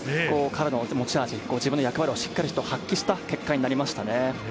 彼の持ち味、自分の役割を発揮した結果になりましたね。